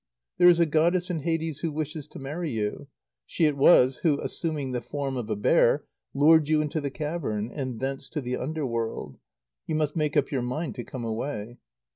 There is a goddess in Hades who wishes to marry you. She it was who, assuming the form of a bear, lured you into the cavern, and thence to the under world. You must make up your mind to come away."